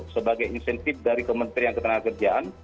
sebagai insentif dari kementerian ketenagakerjaan